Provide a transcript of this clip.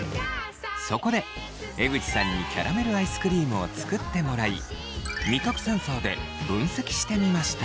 そこで江口さんにキャラメルアイスクリームを作ってもらい味覚センサーで分析してみました。